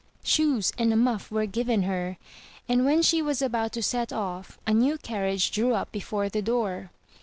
Shoes and a muff were given her; and when she was about to set off, a new carriage drew up before the door.